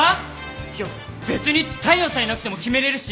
いや別に大陽さんいなくても決めれるし！